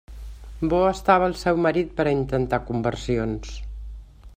Bo estava el seu marit per a intentar conversions!